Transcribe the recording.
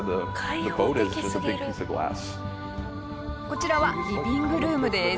こちらはリビングルームです。